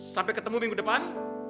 sampai ketemu minggu depan